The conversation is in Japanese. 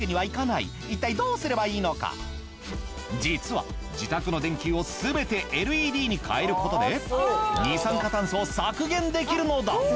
いったい実は自宅の電球をすべてＬＥＤに変えることで二酸化炭素を削減できるのだ。